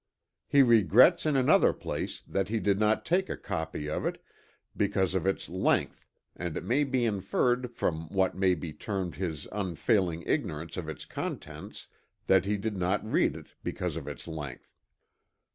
He regrets in another place that he did not take a copy of it because of its length and it may be inferred from what may be termed his unfailing ignorance of its contents that he did not read it because of its length.